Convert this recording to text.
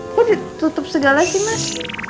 kok ditutup segala sih mas